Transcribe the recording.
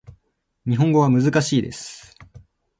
日本語は難しいです